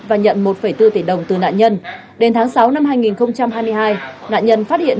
và nhận một bốn tỷ đồng từ nạn nhân đến tháng sáu năm hai nghìn hai mươi hai nạn nhân phát hiện